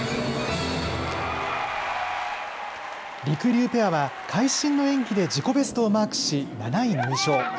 りくりゅうペアは、会心の演技で自己ベストをマークし、７位入賞。